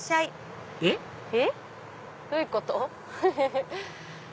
えっ？どういうこと？